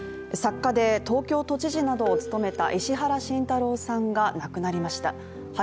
作家で東京都知事などを務めた石原慎太郎さんが亡くなりました。